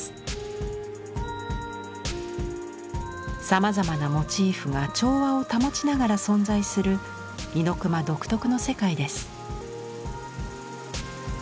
さまざまなモチーフが調和を保ちながら存在する猪熊独特の世界です。